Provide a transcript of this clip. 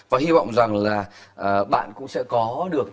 và hy vọng rằng là bạn cũng sẽ có được